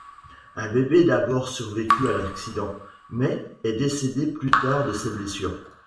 Un bébé d'abord survécu à l'accident, mais est décédé plus tard de ses blessures.